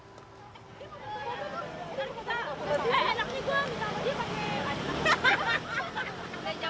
eh anaknya gue